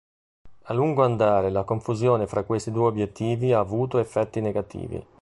A lungo andare la confusione fra questi due obiettivi ha avuto effetti negativi.